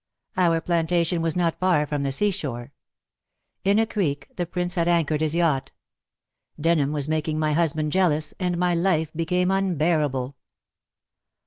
Our plantation was not far from the seashore. In a creek the Prince had anchored his yacht. Denham was making my husband jealous, and my life became unbearable.